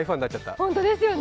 本当ですよね